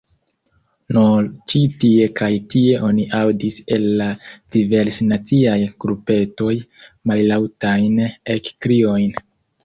Nur ĉi tie kaj tie oni aŭdis el la diversnaciaj grupetoj mallaŭtajn ekkriojn: